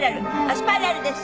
スパイラルです。